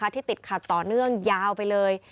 ที่ติดขัดต่อเนื่องยาวไปเลย